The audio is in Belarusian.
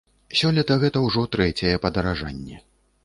Сёлета гэта ўжо трэцяе падаражанне.